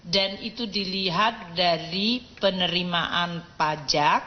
dan itu dilihat dari penerimaan pajak